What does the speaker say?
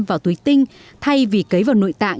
vào túi tinh thay vì cấy vào nội tạng